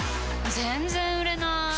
全然売れなーい。